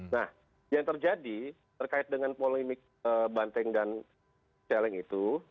nah yang terjadi terkait dengan polemik banteng dan celeng itu